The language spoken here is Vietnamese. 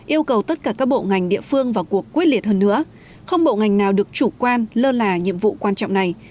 yêu cầu tất cả các bộ ngành địa phương vào cuộc quyết liệt hơn nữa không bộ ngành nào được chủ quan lơ là nhiệm vụ quan trọng này